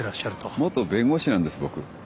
元弁護士なんです僕。